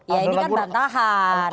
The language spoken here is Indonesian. ya ini kan bantahan